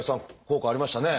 効果ありましたね。